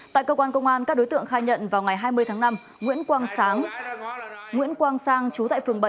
tại cơ quan công an các đối tượng khai nhận vào ngày hai mươi tháng năm nguyễn quang sang chú tại phường bảy